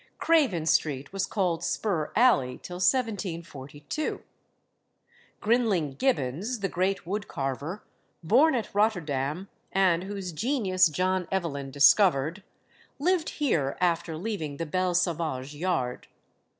Craven Street was called Spur Alley till 1742. Grinling Gibbons, the great wood carver, born at Rotterdam, and whose genius John Evelyn discovered, lived here after leaving the Belle Sauvage Yard.